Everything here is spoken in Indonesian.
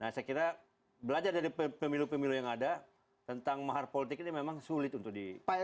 nah saya kira belajar dari pemilu pemilu yang ada tentang mahar politik ini memang sulit untuk diperca